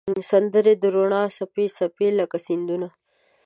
سندرې د روڼا څپې، څپې لکه سیندونه